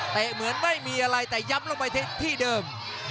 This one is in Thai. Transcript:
เหมือนไม่มีอะไรแต่ย้ำลงไปที่เดิม